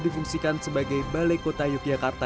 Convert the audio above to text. difungsikan sebagai balai kota yogyakarta